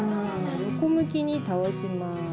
横向きに倒します。